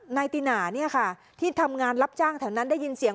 นายติหนาเนี่ยค่ะที่ทำงานรับจ้างแถวนั้นได้ยินเสียง